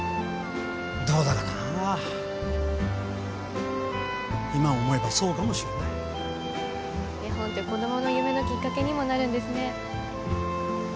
どうだかな今思えばそうかもしれない絵本って子供の夢のきっかけにもなるんですね